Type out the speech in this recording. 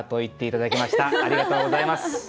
ありがとうございます。